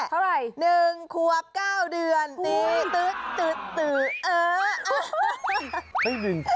๑ครับ๙เดือน